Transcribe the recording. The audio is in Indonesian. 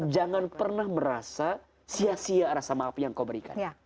jangan pernah merasa sia sia rasa maaf yang kau berikan